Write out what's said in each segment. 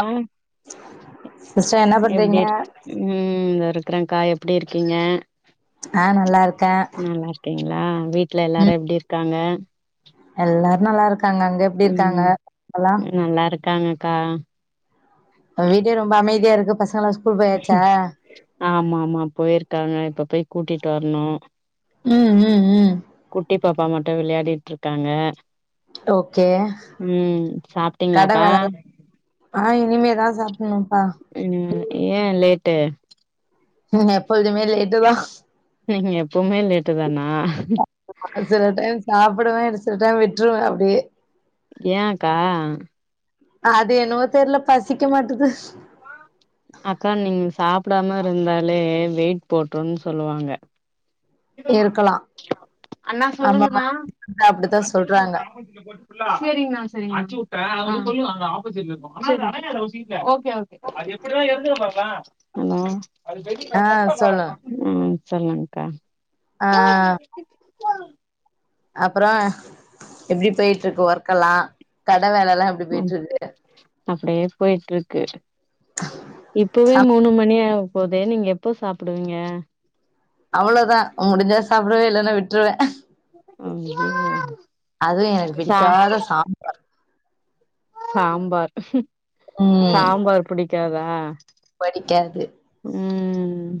ஆ sister என்ன எப்டி பண்றீங்க இருக்கு உம் இருக்கறேன் கா எப்டி இருக்கீங்க அங் நல்லா இருக்கேன் ஓகேங்களா வீட்டுல எல்லாரும் ம் எப்டி இருக்காங்க எல்லாரும் நல்லா இருக்காங்க அங்க எப்டி இருக்காங்க ம் எல்லாம் நல்லா இருக்காங்கக்கா வீடே ரொம்ப அமைதியா இருக்கு பசங்கல்லாம் ஸ்கூல் போயாச்சா ஆமா ஆமா போயிருக்காங்க இப்ப போய் கூட்டிட்டு வரணும் ம் ம் ம் குட்டி பாப்பா மட்டும் விளையாடிட்டு இருக்காங்க ஓகே ம் சாப்பிட்டீங்களாக்கா ஆஹ்‌ இனிமே தான் சாப்பிடணும்ப்பா ம் ஏன் லேட்டு உ நா எப்போதுமே லேட்டு தான் நீங்க எப்பவுமே லேட்டு தானா அது சில டைம் சாப்பிடுவேன் சில டைம் விட்டுருவேன் அப்டியே ஏன்க்கா அது என்னமோ தெர்ல பசிக்க மாட்டிது அக்கா நீங்க சாப்பிடாம இருந்தாலே வெயிட் போட்ருன்னனு சொல்லுவாங்க இருக்கலா அண்ணா ஆமாமா சொல்லுங்கண்ணா அப்டித்தா சொல்றாங்க செரியிங்கான செரிங்கானா ஆ ஓகே ஓகே அலோ ஆ சொல்லு ம் சொல்லுங்க்கா அங் அப்றோ எப்டி போய்ட்ருக்கு ஒர்க்கல்லா கட வேலல்லா எ ம் அப்டியே போய்ட்டுருக்கு இப்பவே சம மூணு மணி ஆவ போதே நீங்க எப்போ சாப்டுவீங்க அவ்ளோதா முடிஞ்சா சாப்டுவே இல்லன்னா விட்டுருவ ஐயோ அதுவு எனக்கு சா பிடிக்காத சா சாம்பார் ம் சாம்பார் பிடிக்காதா படிக்காது ம்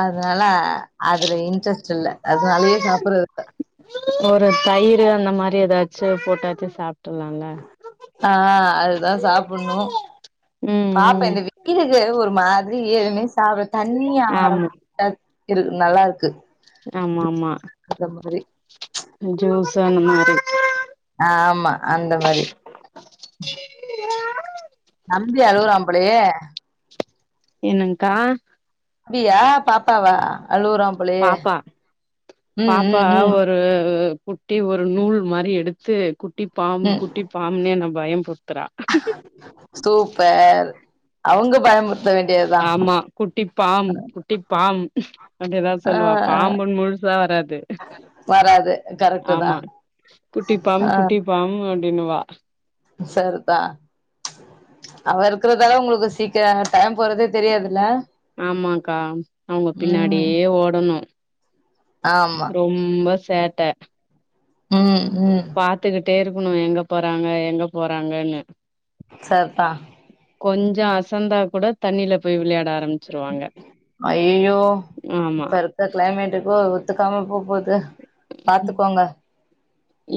அதுனால அதுல இன்ட்ரெஸ்ட் இல்ல அதுனாலயே சாப்டுறது இல்ல ஒரு தயிரு அந்த மாரி ஏதாச்சு போட்டாச்சு சாப் ஆ அதுதா சாப்புண்ணு ம் பாப்ப ம் இந்த வீ [unintelligible] ஒரு மாதிரி எதுமே சாப்ட தண்ணி ஆமா ஆகாரமா இரு நல்லா இருக்கு ஆமா ஆமா அந்த மாரி ஜூஸ் அந்த மாரி ஆமா அந்த மாரி நம்பி அழுவுறா போலயே என்னங்க்கா தம்பியா பாப்பாவா அழுவுறா போலயே பாப்பா ம் பாப்பா ம் ம் ஒரு ஒரு குட்டி ஒரு நூல் மாரி எடுத்து குட்டி பாம்பு குட் ம் குட்டிப்பாம்புன்னு என்ன பயமுத்துறா சூப்பர் அவங்க பயமுறுத்த வேண்டியதுதா ஆமா குட்டிப்பாம் ஆ குட்டிப்பாம் அப்டிதா ஆ, சொல்லுவா பாம்புன்னு முழுசா வராது வராது கரெக்ட் தா ஆமா குட்டிப்பாம் குட்டிப்பாம் அப்டின்னு வா செர்தா அவ இருக்கறதுதால உங்களுக்கு சீக்கிர டைம் போறதே தெரியாதுல்ல ஆமாங்கா அவுங்க ம் பின்னாடியே ஓடணு ஆமா ரொம்ப சேட்ட ம் ம் பாத்துக்கிட்டே இருக்கணு எங்க போறாங்க எங்க போறாங்கன்னு சேர்த்தா கொஞ்சோ அசந்தாக்கூட தண்ணில்ல போய் விளையாட ஆரம்மிச்சிருவாங்க ஆமா இந்த களைமட்டுக்கு ஓ ஒத்துக்காம போ போது பாத்துக்கோங்க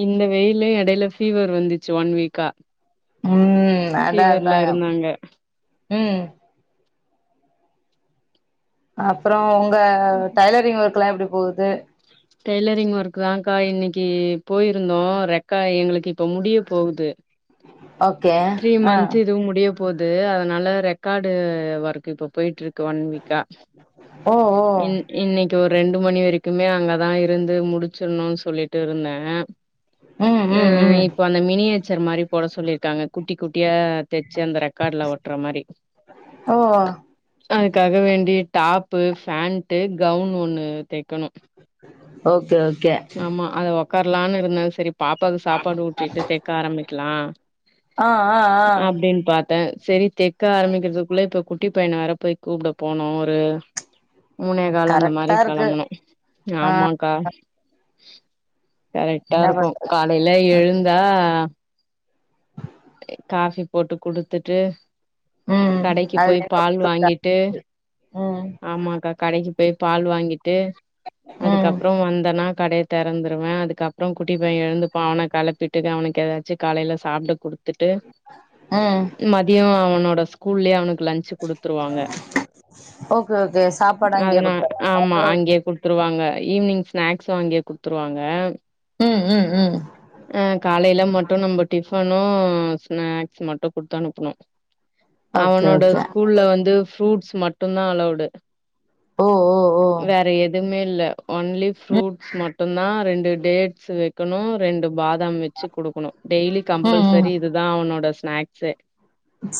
இந்த வெயில்லயு இடைல ஃபீவர் வந்துச்சு ஒன் வீக்கா ம் அதா அதா ஃபீவர்ல இருந்தாங்க ம் அப்றோ உங்க டைலரிங் ஒர்க்ல்லா எப்டி போது டெய்லரிங் ஒர்க்தாக்கா இன்னிக்கி போயிருந்தோ ரெக்கா எங்களுக்கு இப்ப முடிய போவுது ஓகே த்ரீ ஆ மந்து இதுவு முடிய போது அதுனால ரெக்காடு ஓர்க்கு இப்ப போய்ட்டுருக்கு ஒன் வீக்கா ஓ ஓ இன் இன்னிக்கி ஒரு ரெண்டு மணி வரைக்குமே அங்கதா இருந்து முடிச்சிருன்னு சொல்லிட்டு இருந்த ம் ஆ ம் ம் இப்போ அந்த மினியேச்சர் மாரி போட சொல்லிருக்காங்க குட்டி குட்டியா தச்சு அந்த ரெக்காட்ல ஓட்ற மாரி ஓ அதுக்காக வேண்டி டாப்பு பேண்ட்டு கவுன் ஒண்ணு தைக் கணு ஓகே ஓகே ஆமா அத ஓக் உக்கார்லான்னு இருந்த செரி பாப்பாவுக்கு சாப்பாடு ஊட்டிட்டு தெக்க ஆரம்பிக்கலா ஆ ஆ ஆ அப்டின் பார்த்த செரி தெக்க ஆரம்பிக்கிறதுக்குள்ள இப்போ குட்டி பையண வேற போய் கூப்புட போன்னு ஒரு மூனே கால் அந்த மாதிரி கரெக்டா இருக்கு களம்பனு ஆ ஆமா கா கரக்டா என்ன இருக்கு பண்றது காலையில எழுந்தா காஃபி போட்டு குடுத்துட்டு ம் கடக்கி அது போய் ரெண்டு பால் ஒர்க்குதா வாங்கிட்டு ம் ஆமாக்கா கடக்கு போய் பால் வாங்கிட்டு ம் அதுக்கப்பறோ வந்தனா கடை திறந்துடுவ அதுக்கப்பற குட்டி பைய்ய எழுந்துப்பா அவன களப்பிட்டு அவனுக்கு ஏதாச்சி காலையில சாப்ட குடு த்துட்டு ம் மத்தியோ அவனோட ஸ்கூல்லயே அவனுக்கு லஞ்சு குடுத்துருவாங்க ஓகே ஓகே சாப்பாடு அங்கேயே அதனா ஆமா குடுத்தர்றாங்களா அங்கே குடுத்துருவாங்க ஈவ்னிங் ஸ்நாக்ஸ்சு அங்கே குடுத்துருவாங்க ம் ம் ம் அ காலைல மட்டு நம்ப டிஃபனு ஸ்நாக்ஸ் மட்டு குட்த்தனுப்புனோ ஓகே அவனோட ஓகே ஸ்கூல்ல வந்து ஃப்ரூட்ஸ் மட்டுந்தா அலோவ்டு ஓ ஓ ஓ வேற எதுமே இல்ல ஒன்லி ம் ஃப்ரூட்ஸ் மட்டுந்தா ரெண்டு டேட்ஸ் வெக் க்கணு ரெண்டு பாதாம் வெச்சு குடுக்கணு டெய்லி ம் ம் கம்பல்செரி இதுதா அவனோட ஸ்நாக்ஸே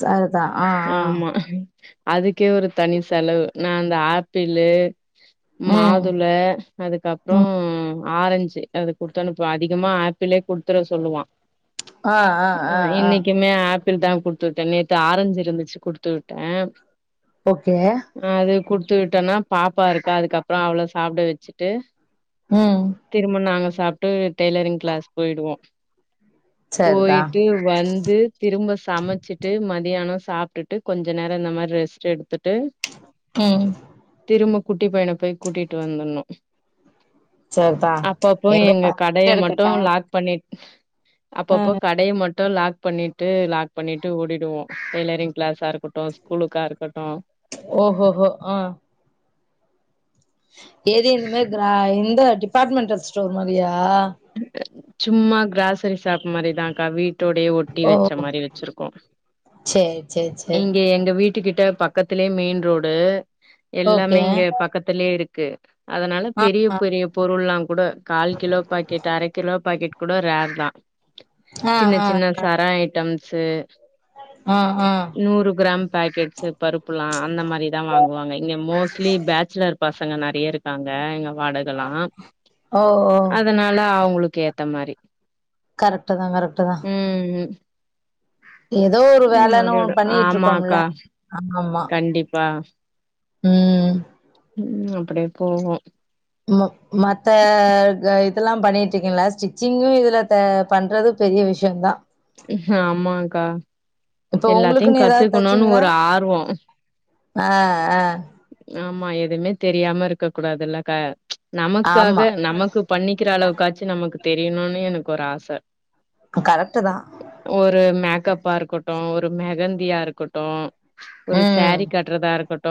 சரிதா ஆ ஆ ஆமா அதுக்கே ஒரு தனி செலவு நா இந்த ஆப்பிளு ம் மாதுள் ள அதுகப்றோ ம் ஆரஞ்சு அது குடுத்தனுப்புவே அதிகமா ஆப் பிளே குடுத்துட சொல்லுவா ஆ ஆ ஆ ஆ மே ஆப்பிள் தா குடுத்து விட்டே நேத்து ஆரஞ்சு இருந்துச்சு குடுத்து விட்டே ஓகே அதே குடுத்து விட்டோனா பாப்பா இருக்கா அதுக்கப்ற அவள சாப்ட வெச்சுட்டு ம் திரும்ப நாங்க சாப்ட்டு டெய்லரிங் கிளாஸ் போயிடுவோ சரிதா போயிட்டு வந்து திரும்ப சமச்சிட்டு மதியான சாப்ட்டுட்டு கொஞ்ச நேர இந்த மாரி ரெஸ்ட் எடுத்துட் டு ம் திரும்ப குட்டி பையன போய் கூட்டிட்டு வந்துர்ணு சரிதா அப்பப்போ எங்க கடைய மட்டு எடுக்கட்டா லாக் பண்ணிட் அப்பப்போ ம் கட் டைய மட்டு லாக் பண்ணிட்டு லாக் பண்ணிட்டு ஓடிடுவோ டெய்லரிங் கிளாஸா இருக்கட்டு ஸ்கூலுக்கா இருக்கட்டு ஓ ஹோ ஹோ ஆ எது இந்த மாரி கிரா இந்த டிபார்ட்மென்டல் ஸ்டோர் மாரியா சும்மா கிராசரி ஷாப் மாரிதாக்கா வீட்டோடே ஒட்டி ஓ வெச்ச மாரி வெச்சிருக்கோ சேரி சேரி சே இங்க எங்க வீட்டுக்கிட்ட பக்கத்துலே மெயின் ரோடு எல்லாமே ஓகே இங்க பக்கத்திலே இருக்கு அதனால ஆ பெரிய பெரிய பொருள்லா கூட கால் கிலோ பாக்கெட் அரை கிலோ பாக்கெட் கூட ரேர் தா ஆ ஆ சின்ன சின்ன ஆ சர ஐட்டம்ஸு ஆ ஆ நூறு கிராம் பேக்கெட்ஸு பருப்புலா அந்த மாரிதா வாங்குவாங்க இங்க மோஸ்ட்லி பேச்சுலர் பசங்க நெறைய இருக்காங்க இங்க வாடகை இதெல்லா ஓ ஓ அதனால அவ்ங்களுக்கு ஏத்த மாரி கரெக்ட்டு தா கரெக்ட்டு தா ம் ம் எதோ ஒரு ம் வேலன்னு அதோட ஒன்னு பண்ணிக்கிட்ருக்கோம்ல ஆமாக்கா கண்டிப்பா ம் ம் அப்டியே போவோ ம மத்த அ இதெல்லா பண்ணிட்ருங்கீங்ளா ஸ்டிச்சிங்கு இதுல த பண்றது பெரிய விஷ்யம் தா ஆமாங்க்கா இப்ப ஒங்களுக்குன் எதாவ்து தச்சீங்களா ஒரு ஆர்வம் ஆ ஆ ஆமா எதுமே தெரியாம இருக்க கூடாதுல்லக்கா ஆமா நமக்காக நமக்கு பண்ணிக்கிற அளவுக்காச்சு நமக்கு தெரியணுன்னு எனக்கு ஒரு ஆச கரெக்ட்டு தா ஒரு மேக்கப்பா இருக்கொட்டு ஒரு மெகந்தியா இருக்கொ டு ஒரு ம் சாரீ கட்றதா இருக்கொட்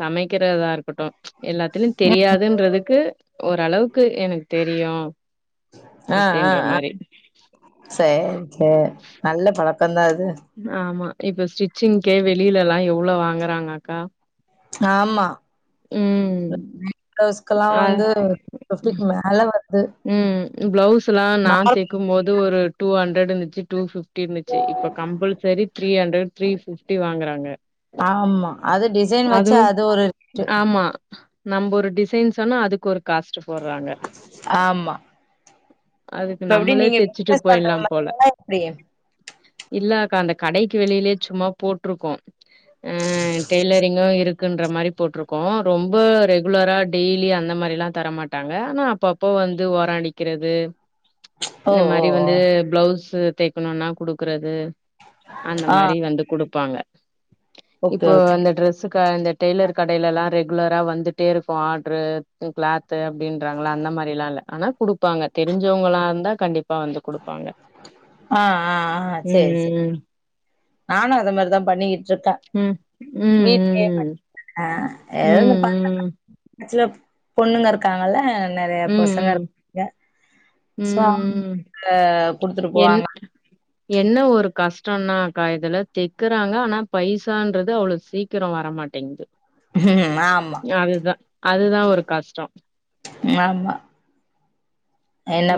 சமக்கிறதா இருக்கொட்டு எல்லாத்லியு தெரியாதுன்றதுக்கு ஓர் அளவ்க்கு எனக் தெரியு அ அ அ சேர் சே நல்ல பழக்கொந்தா அது ஆமா இப்ப ஸ்டிச்சிங்க்கே வெளிலலா எவ்ளோ வாங்குறாங் அக்கா ஆமா ம் கௌஸ்கல்லா அ வந்து ஃபிஃப்டிக் மே நல்ல வர்து ம் ப்ளவுஸ்லா நா தெக்கும்மோது ஒரு டூ ஹண்ட்ரட் இந்துச்சு டூ ஃபிஃப் டீர்ந்துச்ச இப்ப compulsory three hundred three fifty வாங்குறாங்க ஆமா அது டிசைன் வச்சு அதுவு அது ஒரு ரேட்டு ஆமா நம்பு ஒரு டிசைன் சொன்னா அதுக்கு ஒரு காஸ்ட்டு போற்றாங்க ஆமா அதுக்கு இப்ப எப்டி நம்மளே நீங்க தெச்சுட்டு பிசினஸ் பண்ற போயிட்லாம் போல மாரியா எப்டி இல்ல அக்கா அந்த கடைக்கு வெளிலே சும்மா போட்ருக்கு அ டெய்லரிங்கு இருக் குன்ற மாரி போட்ருக்கு ரொம்ப ரெகுலரா டெய்லி அந்த மாரிலா தர மாட்டாங்க ஆனா அப்பப் போ வந்து ஓர அடிக்கிறது ஓ இந்த ஓ மாரி ஓ வந்து ப்ளவ்ஸு தெக்கணுன்னா குடுக்குறது அந்த ஆ மாரி வந்து குடுப்பாங்க ஓகே இப்போ ஓகே அந்த ட்ரெஸ் சுக்கா இந்த டெய்லர் கடைலலா ரெகுலரா வந்துட்டே இருக்கு ஆட்ரு க்ளாத்து அப்டின்றாங்ள அந்த மார் லேலா இல்ல ஆனா குடுப்பாங்க தெரிஞ்சவுங்களா இர்ந்தா கண்டிப் அ அ அ சேரி சே ம் நானு அத மாரிதா பண்ணிக்கிட்ருக்க ம் ம் வீட்லே ம் அ ம் எதோ இந்த ம் பந்தகா [inaudible] பொண்ணுங்க இருக்காங்கல்ல நெறைய பொசங்க ம் ம் இருக்காங்க சோ அவுங்க ம் குடுத்துட்டு என் போவாங்க என்ன ஒரு கஸ்ட்டன்னாக்கா இதுல தெக்குறாங்க ஆனா பைசான்றது அவ்ளோ சீக் கிரோ வரமாட்டேங்து ஆமா அதுதா அதுதா ஒரு கஸ்ட்டோ யாமா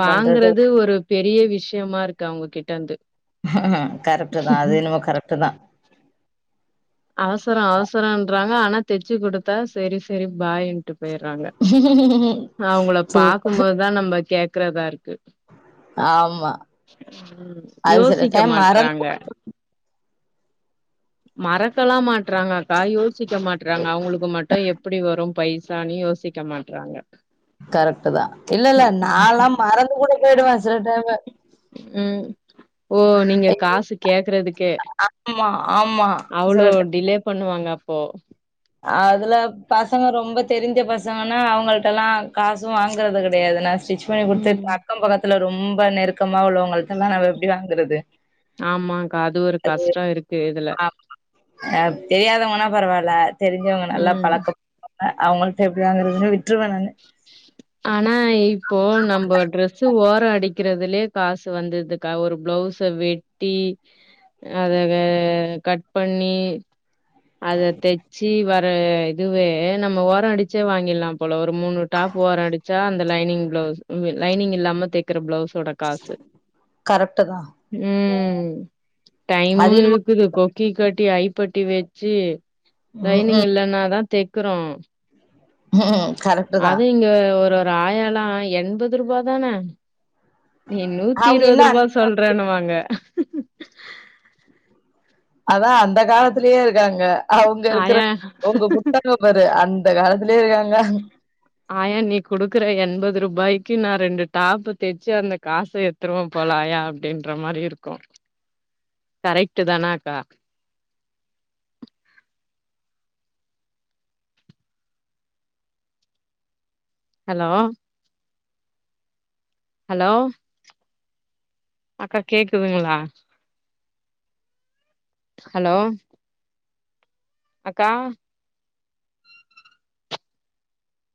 வாங்குறது ஒரு பெரிய விஷ்யமா இருக்கு அவுங்ககிட்டர்ந்து கரெக்ட்டு தா அது என்னமோ கரெக்ட்டு தா அவசரோ அவசரன்றாங்க ஆனா தெச்சு குடுத்தா செரி செரி பாயின் ட்டு பேயற்றாங்க அவுங்ள சூப்பர் பாக்கும்போதுதா நம்ப கேக்குறதா இருக்கு ஆமா ம் அது சில யோசிக்க டைம் மறந்து மாட்றாங்க கூட மறக்கல்லா மாற்றாங்க கா யோசிக்க மாற்றாங்க அவுங்ளுக்கு மட்டு எப்புடி வரு பைசானு யோசிக்க மாற்றாங்க கரக்ட்டு தா இல்லல்ல நால்லா மறந்து கூட போய்டுவ சில டைமு ம் ஓ நீங்க ஐயோ காசு கேக்றதுக்கே ஆமா ஆமா அவுளோ சில டிலே பண்ணுவாங்க அப்போ அதுல பசங்க ரொம்ப தெரிஞ்ச பசங்கன்னா அவுங்கள்ட்டலா காசு வாங்குறது கடையாது நா ஸ்டிச் பண்ணி ம் குடுத்துட் அக்கம் பக்கத்துல ரொம்ப நெருக்கமா உள்ளவங்கல்ட்டலா நம்ப எப்டி வாங்குறது ஆமாக்கா ஒரு அது கஷ்டோ இருக்கு இதுல ஆமா தெரியாதவ்ங்கனா பரவால்ல தெரிஞ்சவங்க நல்லா ம் பழக்கம் அவுங்கள்ட எப்டி வாங்கறதுன்னு விட்ருவ நானு ஆனா இப்போ நம்ம ட்ரெஸு ஓரோ அடிக்கறதுலயே காசு வந்துருதுக்கா ஒரு ப்ளவுஸு வெட் டி அத வே கட் பண்ணி அத தெச்சு வ ஆ இதுவே நம்ம ஓரோ அடிச்சே வாங்கிற்லா போல ஒரு மூணு டாப் ஓரோ அடிச்சா அந்த லைனிங் ப்ளவுஸ் லைனிங் இல்லாம தேக்கிற ப்ளவுஸ் வோட காசு கரெக்ட்டு தா ம் டைமு அது என்னமோ எடுக் க்குது கொக்கி கட்டி ஐ பட்டி வெச்சு ம் லைனிங் ம் இல்லன்னாதா தெக்கிறோ கரெக்ட்டுதா இங்க ஒரு ஒரு ஆயாலா எண்பது ரூபாதான நீ நூத்தி அவங்க இன்னு இருவது ரூபா அந்த சொல்றேன்னுவாங்க அதா அந்த காலத்திலயே இருக்காங்க அவுங்க இருக்கிற ஆயா உங்க குத்தக ஒரு அந்த காலத்திலயே இருக்காங்க ஆயா நீ குடுக்குற எண்பது ரூபாய்க்கு நான் ரெண்டு டாப்ப தெச்சு அந்த காச திருவ போலா ஆயா அப்டின்ற மாரி இருக்கு கரெக்ட்டுதானாக்கா ஹலோ ஹலோ அக்கா கேக்குதுங்களா ஹலோ அக்கா